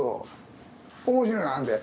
面白いのあんで。